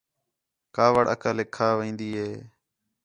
کاوِڑ عقلیک کھا وین٘دی ہے